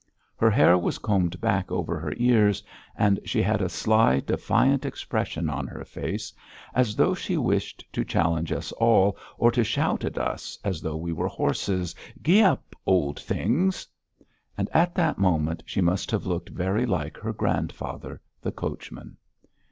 Her hair was combed back over her ears, and she had a sly defiant expression on her face, as though she wished to challenge us all, or to shout at us, as though we were horses: "Gee up, old things!" And at that moment she must have looked very like her grandfather, the coachman.